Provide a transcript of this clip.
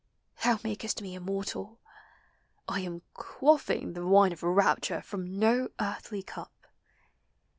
Thou makest me immortal ! I am quaffing The wine of rapture from no earthly cup